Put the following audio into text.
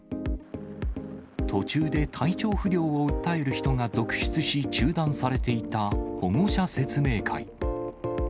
途中で体調不良を訴える人が続出し、中断されていた保護者説明会。